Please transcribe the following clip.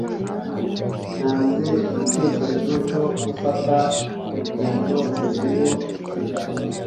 Ntanze igitekerezo cyo gufata urugendo mbere yo kurya.